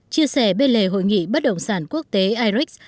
chia sẻ bên lề hội nghị bất động sản quốc tế irics